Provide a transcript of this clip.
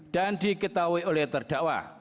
dan diketahui oleh terdakwa